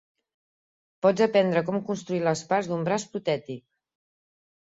Pots aprendre com construir les parts d'un braç protètic.